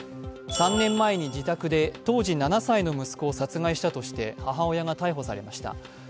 ３年前に自宅で当時７歳の息子を殺害したとして母親が逮捕されました。